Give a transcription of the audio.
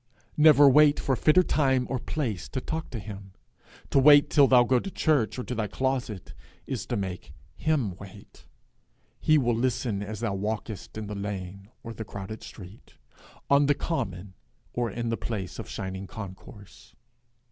Never wait for fitter time or place to talk to him. To wait till thou go to church, or to thy closet, is to make him wait. He will listen as thou walkest in the lane or the crowded street, on the common or in the place of shining concourse.